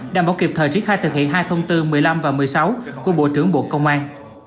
đảm bảo kịp thời triển khai thực hiện hai thông tư một mươi năm và một mươi sáu của bộ trưởng bộ công an